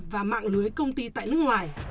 và mạng lưới công ty tại nước ngoài